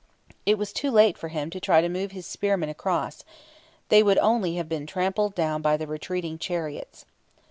It was too late for him to try to move his spearmen across they would only have been trampled down by the retreating chariots.